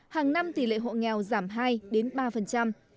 hàng năm tỷ lệ hộ nghèo giảm hai ba